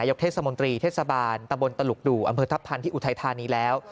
เทศมนตรีเทศบาลตะบนตลุกดู่อำเภอทัพพันธ์ที่อุทัยธานีแล้ว